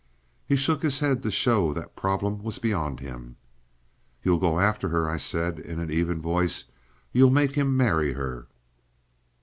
He shook his head to show that problem was beyond him. "You'll go after her," I said in an even voice; "you'll make him marry her?"